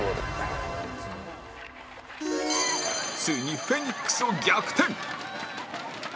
ついにフェニックスを逆転